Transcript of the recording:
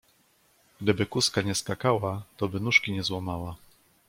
Gdyby kózka nie skakała, to by nóżki nie złamała.